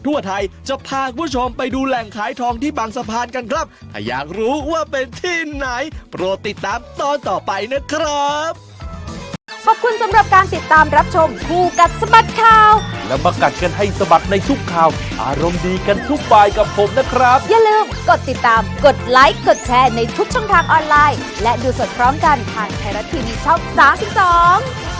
อาชีพเสริมของป้านีหรือว่าอาชีพเสริมของป้านีหรือว่าอาชีพเสริมของป้านีหรือว่าอาชีพเสริมของป้านีหรือว่าอาชีพเสริมของป้านีหรือว่าอาชีพเสริมของป้านีหรือว่าอาชีพเสริมของป้านีหรือว่าอาชีพเสริมของป้านีหรือว่าอาชีพเสริมของป้านีหรือว่าอาชีพเสริมของป้านีหรือว่าอ